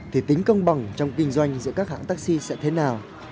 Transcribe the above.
thì tính công bằng trong kinh doanh giữa các hãng taxi sẽ thế nào